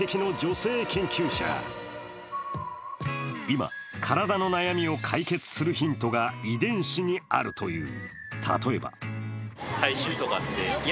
今、体の悩みを解決するヒントが遺伝子にあるという。